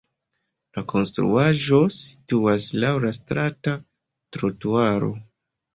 La konstruaĵo situas laŭ la strata trotuaro.